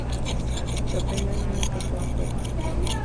Sorprendido en una emboscada, fue herido.